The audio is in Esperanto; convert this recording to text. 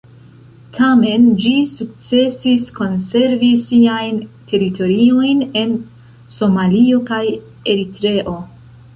Tamen ĝi sukcesis konservi siajn teritoriojn en Somalio kaj Eritreo.